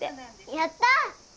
やった！